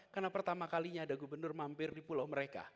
karena pertama kalinya ada gubernur mampir di pulau mereka